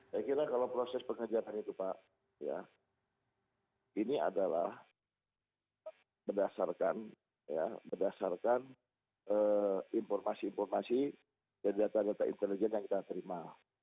saya kira kalau proses pengejaran itu pak ini adalah berdasarkan informasi informasi dan data data intelijen yang kita terima